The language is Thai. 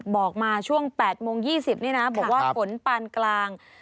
บอกมาช่วง๘โมง๒๐นี่นะบอกว่าฝนปานกลาง